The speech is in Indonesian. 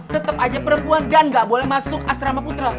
tetap aja perempuan dan gak boleh masuk asrama putra